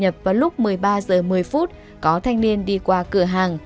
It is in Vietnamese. nhập vào lúc một mươi ba h một mươi có thanh niên đi qua cửa hàng